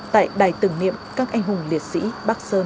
tại đài tưởng niệm các anh hùng liệt sĩ bắc sơn